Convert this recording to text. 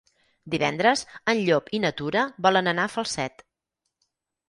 Divendres en Llop i na Tura volen anar a Falset.